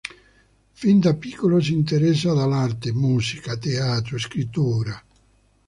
Fin da piccolo si interessa all'arte: musica, teatro, scrittura.